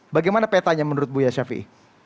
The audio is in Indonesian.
bagaimana petanya menurut buya syafiq